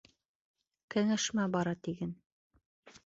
Кәңәшмә бара, тиген.